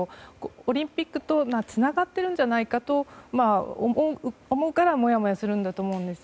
オリンピックとつながってるんじゃないかと思うからもやもやするんだと思うんです。